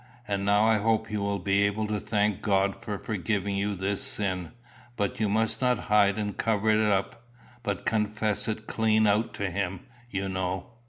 And now I hope you will be able to thank God for forgiving you this sin; but you must not hide and cover it up, but confess it clean out to him, you know."